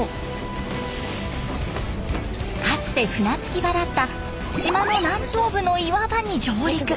かつて船着き場だった島の南東部の岩場に上陸。